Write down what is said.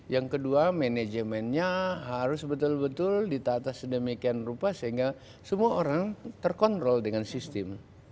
yang kedua manajemennya harus betul betul ditata sedemikian rupa sehingga semua orang terkontrol dengan sistem